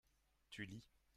tu lis.